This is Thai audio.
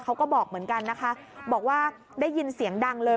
เขาก็บอกเหมือนกันนะคะบอกว่าได้ยินเสียงดังเลย